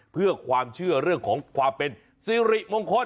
เพื่อความเชื่อเรื่องของความเป็นสิริมงคล